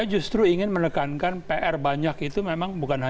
saya justru ingin menekankan pr banyak itu memang bukan hanya